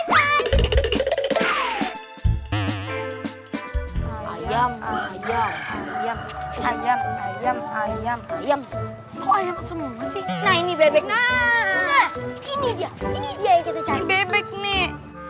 ayam kok ayam seumur sih nah ini bebeknya ini dia ini dia yang kita cari bebek nih